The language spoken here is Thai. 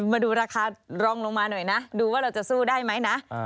มาดูราคารองลงมาหน่อยนะดูว่าเราจะสู้ได้ไหมนะ